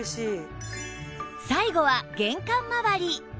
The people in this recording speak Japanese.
最後は玄関まわり